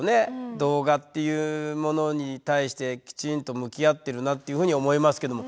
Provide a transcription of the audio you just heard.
動画っていうものに対してきちんと向き合ってるなっていうふうに思いますけども。